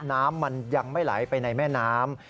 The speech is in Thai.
น้ำมันยังไม่ไหลไปในแม่น้ำ